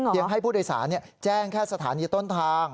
ให้ผู้โดยสารแจ้งแค่สถานีต้นทาง